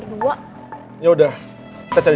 dan sudah terjadi